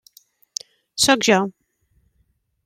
Sóc jo.